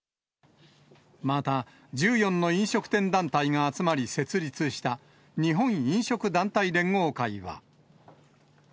また、１４の飲食店団体が集まり設立した、日本飲食団体連合会は。